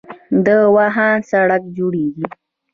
د واخان سړک جوړیږي